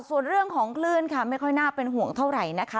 ส่วนเรื่องของคลื่นค่ะไม่ค่อยน่าเป็นห่วงเท่าไหร่นะคะ